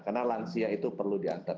karena lansia itu perlu diantar